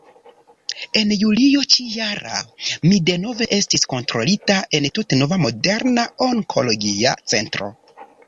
En julio ĉi-jara mi denove estis kontrolita en tute nova moderna onkologia centro.